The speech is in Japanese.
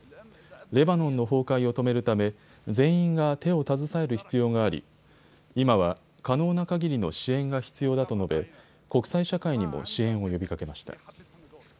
レバノンの崩壊を止めるため全員が手を携える必要があり今は可能なかぎりの支援が必要だと述べ国際社会にも支援を呼びかけました。